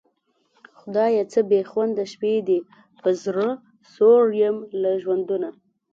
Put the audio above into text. خدایه څه بېخونده شپې دي په زړه سوړ یم له ژوندونه